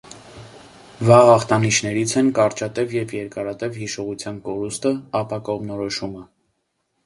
Վաղ ախտանիշներից են կարճատև և երկարատև հիշողության կորուստը, ապակողմնորոշումը։